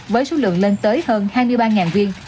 với số lượng lên tới hơn hai mươi ba viên